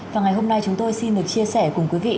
và ngày hôm nay chúng tôi xin được chia sẻ cùng quý vị